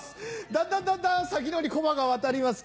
だんだんだんだん先のほうにこまが渡ります。